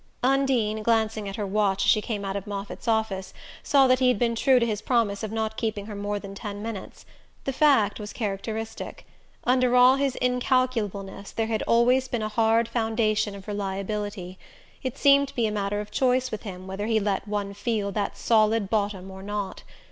Undine, glancing at her watch as she came out of Moffatt's office, saw that he had been true to his promise of not keeping her more than ten minutes. The fact was characteristic. Under all his incalculableness there had always been a hard foundation of reliability: it seemed to be a matter of choice with him whether he let one feel that solid bottom or not.